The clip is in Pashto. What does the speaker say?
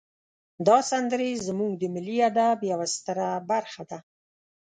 دا سندرې زمونږ د ملی ادب یوه ستره برخه ده.